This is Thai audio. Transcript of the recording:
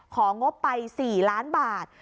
งบไป๔ล้านบาท